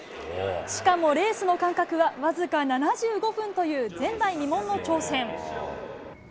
しかもレースの間隔は僅か７５分という前代未聞の挑戦。